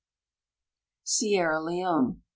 Sierra Leone.